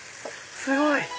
すごい！